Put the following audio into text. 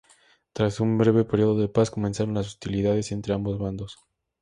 Tras un breve período de paz, comenzaron las hostilidades entre ambos bandos.